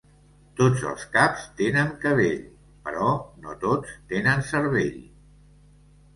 Tots els caps tenen cabell, però no tots tenen cervell.